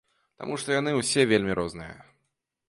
Таму што яны ўсе вельмі розныя.